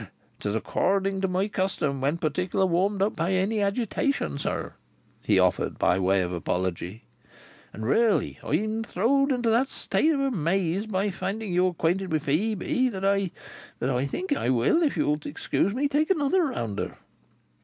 "It's according to my custom when particular warmed up by any agitation, sir," he offered by way of apology. "And really, I am throwed into that state of amaze by finding you brought acquainted with Phœbe, that I—that I think I will, if you'll excuse me, take another rounder."